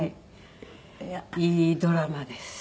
いいドラマです。